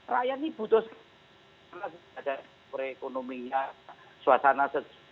rakyat ini butuh sebuah ekonominya suasana